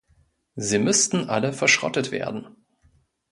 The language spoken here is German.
Sie müssten alle verschrottet werden.